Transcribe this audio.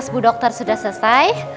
bu dokter sudah selesai